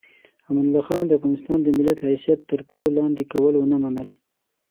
امان الله خان د افغانستان د ملت حیثیت تر پښو لاندې کول ونه منل.